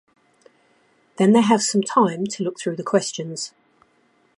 Then they have some time to look through the questions.